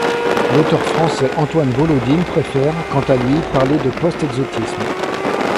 L'auteur français Antoine Volodine préfère, quant à lui, parler de post-exotisme.